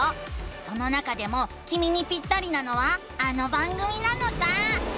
その中でもきみにピッタリなのはあの番組なのさ！